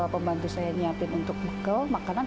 pembantu saya nyiapin untuk bekal makanan